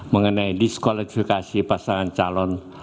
mengenai diskualifikasi pasangan calon